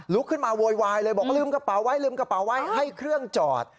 ลุกขึ้นมาโวยวายเลยบอกลืมกระเป๋าไว้ให้เครื่องจอด